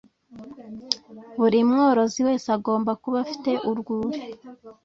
buri mworozi wese agomba kuba afite urwuri